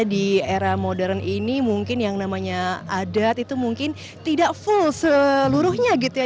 di era modern ini mungkin yang namanya adat itu mungkin tidak full seluruhnya gitu ya